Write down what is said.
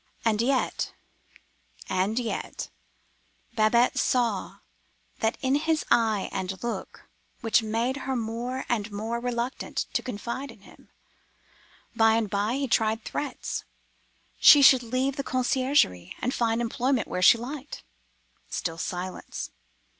And yet—and yet—Babette saw that in his eye and look which made her more and more reluctant to confide in him. By and by he tried threats. She should leave the conciergerie, and find employment where she liked. Still silence.